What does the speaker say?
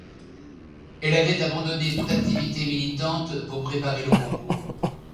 Elle avait abandonné toute activité militante pour préparer le concours.